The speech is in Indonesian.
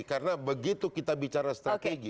karena begitu kita bicara strategi